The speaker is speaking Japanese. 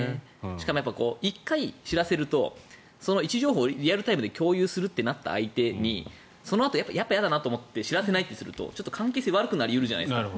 しかも、１回知らせると位置情報をリアルタイムで共有するってなった相手にそのあと、やっぱ嫌だなと思って知らせないとすると関係性が悪くなり得るじゃないですか。